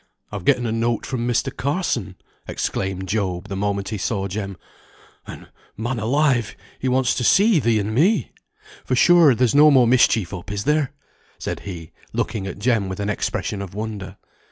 "I've getten a note from Mr. Carson," exclaimed Job the moment he saw Jem; "and man alive, he wants to see thee and me! For sure, there's no more mischief up, is there?" said he, looking at Jem with an expression of wonder.